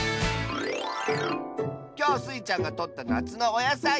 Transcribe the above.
きょうスイちゃんがとったなつのおやさい。